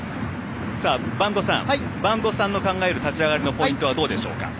播戸さん、播戸さんの考える立ち上がりのポイントはどうでしょうか？